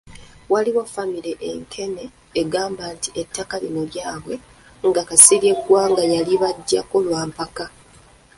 Waliyo famire e Nkene egamba nti ettaka lino lyabwe nga Kasirye Gwanga yalibajjako lwa mpaka.